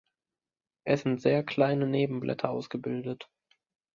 Es sind sehr kleine Nebenblätter ausgebildet.